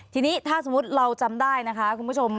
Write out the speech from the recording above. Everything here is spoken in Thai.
ทีนี้ถ้าสมมุติเราจำได้นะคะคุณผู้ชม